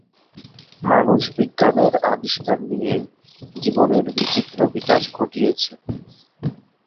মানুষ বিজ্ঞানের আবিষ্কার নিয়েই জীবনের বিচিত্র বিকাশ ঘটিয়েছে।